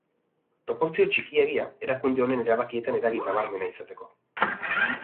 Proportzio txikiegia erakunde honen erabakietan eragin nabarmena izateko.